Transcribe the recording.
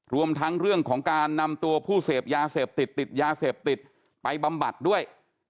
รวมทั้งเรื่องของการนำตัวผู้เสพยาเสพติดติดยาเสพติดไปบำบัดด้วย